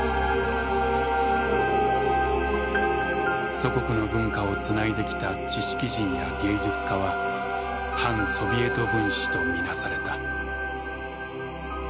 祖国の文化をつないできた知識人や芸術家は「反ソビエト分子」と見なされた。